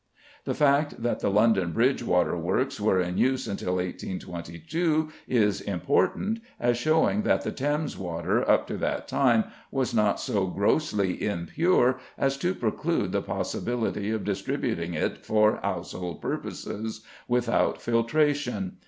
The fact that the London Bridge Waterworks were in use until 1822 is important, as showing that the Thames water up to that time was not so grossly impure as to preclude the possibility of distributing it for household purposes without filtration.